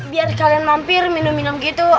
biar kalian mampir minum minum gitu